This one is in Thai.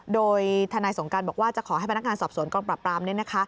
โดยทนายสงการบอกว่าจะขอให้พนักงานสอบสวนกองปรับปราม